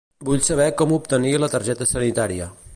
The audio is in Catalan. Vull saber com puc obtenir la targeta sanitària.